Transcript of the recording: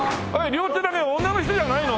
両手投げ女の人じゃないの？